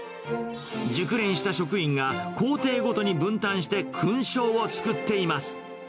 熟練した職員が、工程ごとに分担して勲章をつくっています。